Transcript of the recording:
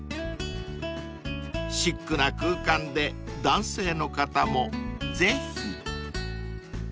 ［シックな空間で男性の方もぜひ］